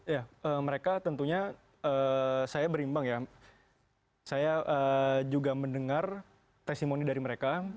ya mereka tentunya saya berimbang ya saya juga mendengar testimoni dari mereka